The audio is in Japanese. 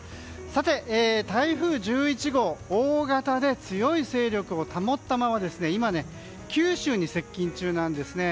さて、台風１１号大型で強い勢力を保ったまま今、九州に接近中なんですね。